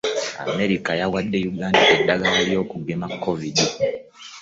Amerika yawadde Uganda eddagala lw'okugema kovidi.